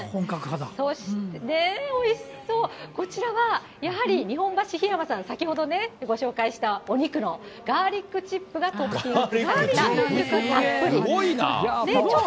そしておいしそう、こちらはやはり日本橋日山さん、先ほどご紹介したお肉のガーリックチップがトッピングされたもの。